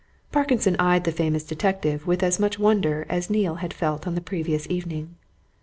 Parkinson eyed the famous detective with as much wonder as Neale had felt on the previous evening.